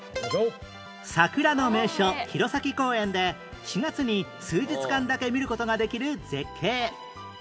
桜の名所弘前公園で４月に数日間だけ見る事ができる絶景